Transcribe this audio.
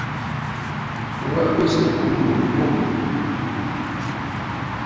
Wa bɨ sɨ̀ ɨkum gho twoŋtə̀.